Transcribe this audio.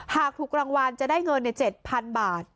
หากถูกรางวัลจะได้เงินใน๗๐๐บาท